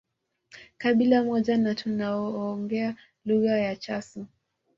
Kabila moja na tunaoongea lugha ya Chasu